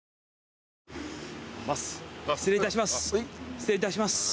失礼いたします。